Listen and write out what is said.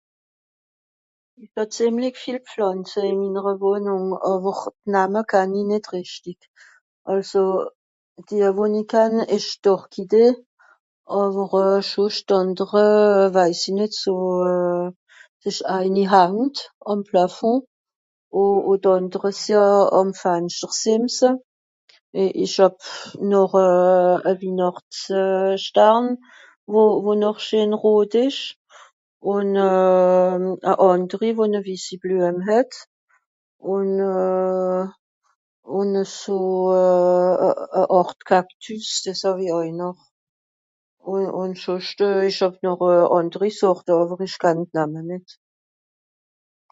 Ìch hàb zìemlig viel Pflànze ìn minnere Wohnùng àwer d'Name kann i nìt richti. Àlso, d'Iwonikan ìsch d'Orchidé, àwer euh... schùsch d'àndere euh... weis i nìt so euh... (...) eini hangt àm Plafond, ù... ù d'àndere sìì àm Fanschte sìnn se. Ìch hàb noch e Wihnàchtsstang wo noch scheen rot ìsch ùn euh... a ànderie, wo noh si Bluem het. Ùn euh... ùn eso e Àrt Kaktüs, dìs hàw-i àui noch. Ùn... ùn schùscht ìch hàb noch ànderi Sorte àwer ìch kann d'Namme nìt.